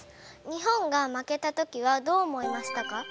日本が負けた時はどう思いましたか？